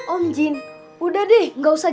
om jin udah deh gak usah